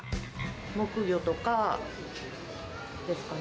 木魚とかですかね？